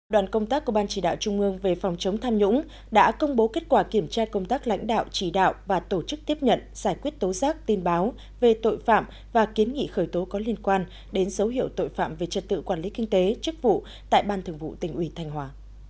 đoàn công tác của ban chỉ đạo trung ương về phòng chống tham nhũng đã công bố kết quả kiểm tra công tác lãnh đạo chỉ đạo và tổ chức tiếp nhận giải quyết tố giác tin báo về tội phạm và kiến nghị khởi tố có liên quan đến dấu hiệu tội phạm về trật tự quản lý kinh tế chức vụ tại ban thường vụ tỉnh ủy thanh hóa